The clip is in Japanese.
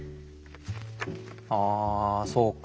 あそうか。